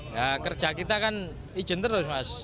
ya kerja kita kan izin terus mas